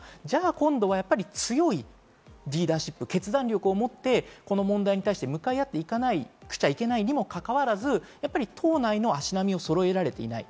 今度は強いリーダーシップ、決断力をもって、この問題に対して向かい合っていかなくちゃいけないにもかかわらず、党内の足並みをそろえられていない。